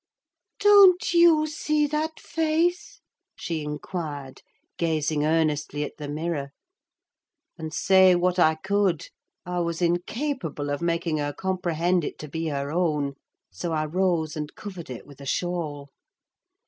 "Don't you see that face?" she inquired, gazing earnestly at the mirror. And say what I could, I was incapable of making her comprehend it to be her own; so I rose and covered it with a shawl.